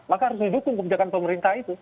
maka harus didukung kebijakan pemerintah itu